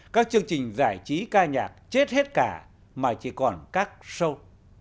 các chương trình giải trí ca nhạc chết hết cả mà chỉ còn các show